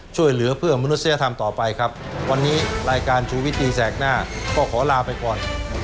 ช่วยเหลือเพื่อมนุษยธรรมต่อไปครับวันนี้รายการชูวิตตีแสกหน้าก็ขอลาไปก่อน